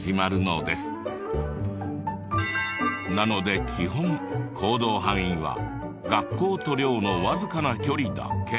なので基本行動範囲は学校と寮のわずかな距離だけ。